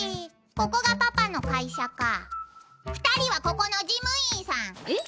ここがパパの会社か二人はここの事務員さんえっ？